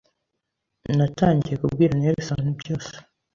Natangiye kubwira Nelson byose,